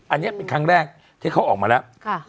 อันนี้เป็นครั้งแรกที่เขาออกมาแล้ว